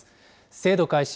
制度開始